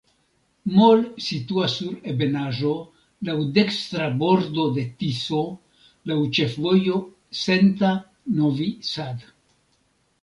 Mol situas sur ebenaĵo, laŭ dekstra bordo de Tiso, laŭ ĉefvojo Senta-Novi Sad.